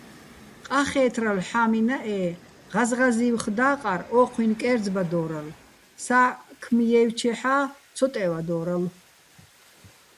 ყახე́თრალო̆ ჰ̦ა́მინაჸე́, ღაზღაზი́ვხ და́ყარ ო́ჴუჲნი̆ კე́რძბადორალო̆, საქმ ჲაჲვჩეჰ̦ა́ ცო ტე́ვადორალო̆.